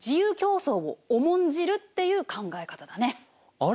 あれ？